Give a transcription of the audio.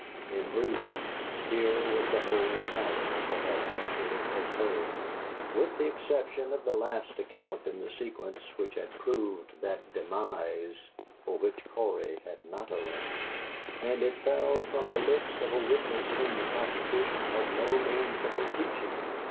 In brief, here was the whole tally of what had actually occurred, with the exception of the last account in the sequence which had proved that demise for which Cory had not arranged and it fell from the lips of a witness whom the prosecution had no means of impeaching.